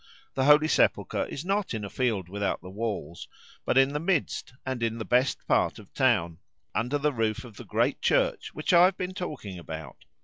The Holy Sepulchre is not in a field without the walls, but in the midst, and in the best part of the town, under the roof of the great church which I have been talking about.